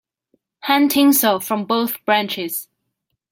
Hang tinsel from both branches.